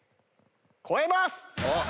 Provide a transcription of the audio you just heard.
超えます！